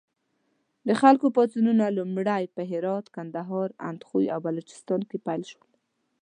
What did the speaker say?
د خلکو پاڅونونه لومړی په هرات، کندهار، اندخوی او بلوچستان کې پیل شول.